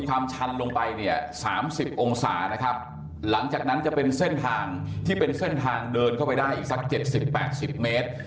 ความชันลงไปเนี่ย๓๐องศานะครับหลังจากนั้นจะเป็นเส้นทางที่เป็นเส้นทางเดินเข้าไปได้อีกสัก๗๐๘๐เมตร